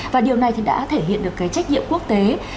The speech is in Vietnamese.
và điều này thì đã thể hiện được cái trách nhiệm quốc tế